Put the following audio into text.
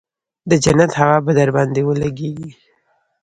د جنت هوا به درباندې ولګېګي.